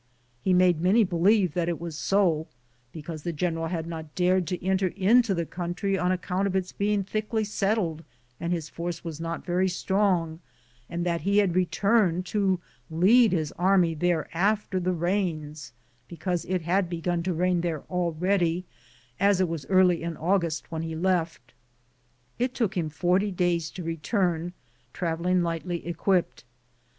He made many believe that it was so, be cause the general had not dared to enter into the country on account of its being thiokly settled and his force not very strong, and that he had returned to lead his army there after the rains, because it had begun to rain l.g.nzed I:, GoOglt! THE JOURNEY OP COHONADO there already, as it was early in August when he left. It took him forty days to return, traveling lightly equipped.